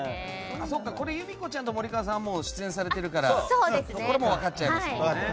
これ由美子ちゃんと森川さんは出演されているから分かっちゃいますね。